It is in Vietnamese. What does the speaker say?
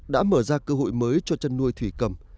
đã mở ra cơ hội mới cho chăn nuôi thủy cầm